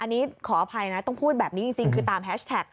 อันนี้ขออภัยนะต้องพูดแบบนี้จริงคือตามแฮชแท็ก